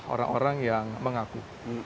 orang orang yang mengaku